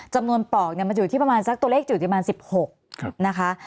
ปอกเนี่ยมันจะอยู่ที่ประมาณสักตัวเลขอยู่ที่ประมาณ๑๖นะคะ